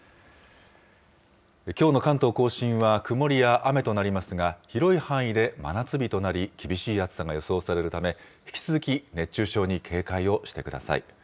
きょうの関東甲信は曇りや雨となりますが、広い範囲で真夏日となり、厳しい暑さが予想されるため、引き続き熱中症に警戒をしてください。